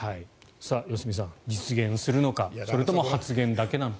良純さん、実現するのかそれとも発言だけなのか。